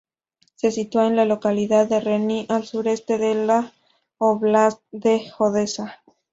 Se sitúa en la localidad de Reni, al suroeste de la óblast de Odesa.